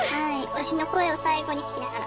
推しの声を最期に聞きながら。